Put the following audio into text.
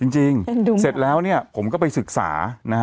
จริงเสร็จแล้วผมก็ไปศึกษา